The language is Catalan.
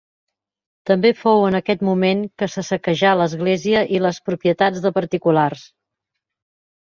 També fou en aquest moment que se saquejà l'església i les propietats de particulars.